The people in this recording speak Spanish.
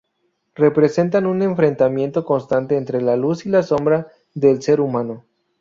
Representan un enfrentamiento constante entre la luz y la sombra del ser humano.